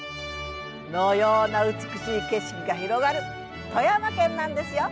のような美しい景色が広がる富山県なんですよ。